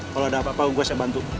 kalau ada apa apa gue siap bantu